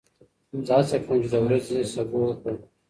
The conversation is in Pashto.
زه هڅه کوم چې د ورځې سبو وخورم.